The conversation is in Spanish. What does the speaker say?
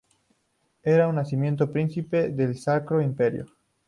Era por nacimiento príncipe del Sacro Imperio.